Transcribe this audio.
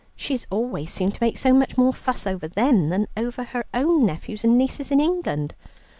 She has always seemed to make so much more fuss over them than over her own nephews and nieces in England.